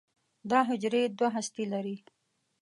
دا حجرې دوه هستې لري.